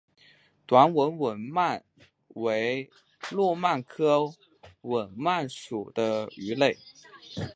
短吻吻鳗为糯鳗科吻鳗属的鱼类。